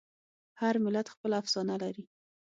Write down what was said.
هر ملت خپله افسانه لري.